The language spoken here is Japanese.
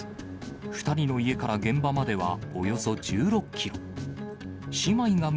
２人の家から現場まではおよそ１６キロ。